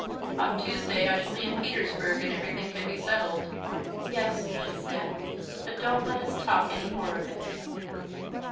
"On Tuesday I shall be in Petersburg, and everything can be settled." "Yes," she said. "But don't let us talk any more of it."